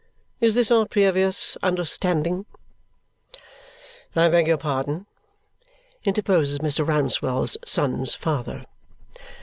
Is this our previous understanding?" "I beg your pardon," interposes Mr. Rouncewell's son's father.